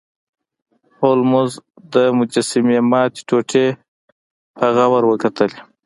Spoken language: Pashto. هولمز د مجسمې ماتې ټوټې په غور وکتلې.